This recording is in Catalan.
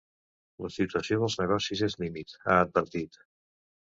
“La situació dels negocis és límit”, ha advertit.